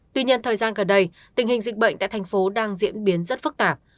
tuy nhiên thời gian gần đây tình hình dịch bệnh tại thành phố đang diễn biến rất phức tạp